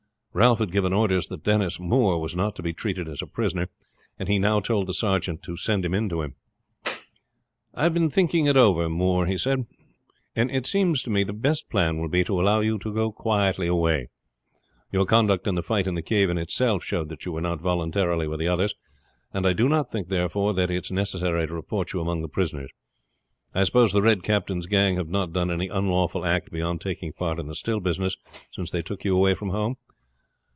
Ralph had given orders that Denis Moore was not to be treated as a prisoner; and he now told the sergeant to send him in to him. "I have been thinking it over, Moore," he said; "and it seems to me the best plan will be to allow you to go quietly away. Your conduct in the fight in the cave in itself showed that you were not voluntarily with the others; and I do not think, therefore, that it is necessary to report you among the prisoners. I suppose the Red Captain's gang have not done any unlawful act beyond taking part in the still business since they took you away from home?"